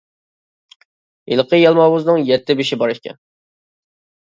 ھېلىقى يالماۋۇزنىڭ يەتتە بېشى بار ئىكەن.